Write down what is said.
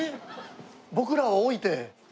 僕らを置いて。